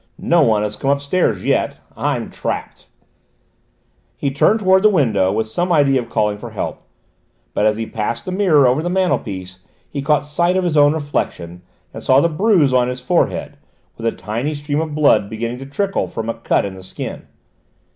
No one has come upstairs yet. I'm trapped!" He turned towards the window, with some idea of calling for help, but as he passed the mirror over the mantelpiece he caught sight of his own reflection and saw the bruise on his forehead, with a tiny stream of blood beginning to trickle from a cut in the skin.